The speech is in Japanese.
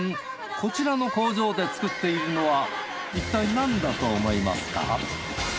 こちらの工場で作っているのはいったい何だと思いますか？